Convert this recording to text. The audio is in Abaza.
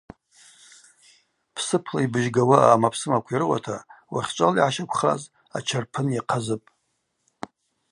Псыпла йбыжьгауа аъамапсымаква йрыуата уахьчӏвала йгӏащаквхаз ачарпын йахъазыпӏ.